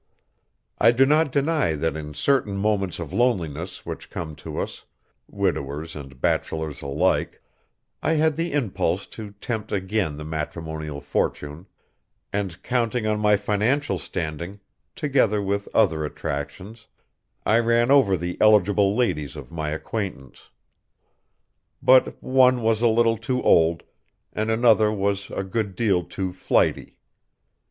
I do not deny that in certain moments of loneliness which come to us, widowers and bachelors alike, I had the impulse to tempt again the matrimonial fortune, and counting on my financial standing, together with other attractions, I ran over the eligible ladies of my acquaintance. But one was a little too old, and another was a good deal too flighty.